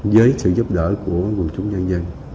với sự giúp đỡ của quần chúng nhân dân